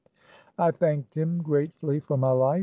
" I thanked him gratefully for my life.